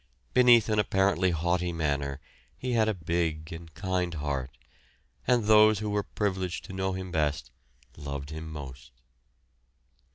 Beneath an apparently haughty manner he had a big and kind heart, and those who were privileged to know him best loved him most.